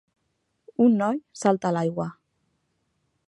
Un noi salta a l'aigua